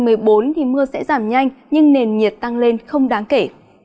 trong ngày một mươi bốn mưa sẽ giảm nhanh nhưng nền nhiệt tăng lên không đáng kể